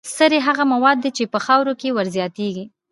سرې هغه مواد دي چې په خاوره کې ور زیاتیږي.